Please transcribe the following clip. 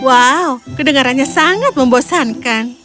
wow kedengarannya sangat membosankan